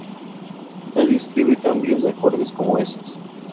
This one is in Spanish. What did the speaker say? Nadie escribe cambios de acordes como esos".